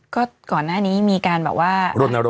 ก็ก่อนหน้านี้มีการแบบว่า